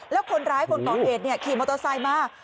แล้วคนร้ายคนต่อเอจนี่คลีมอาตโท็ซไซค์มา